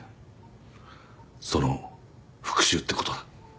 その復讐ってことだ。